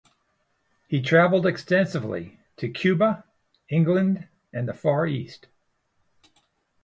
He traveled extensively, to Cuba, England, and the far east.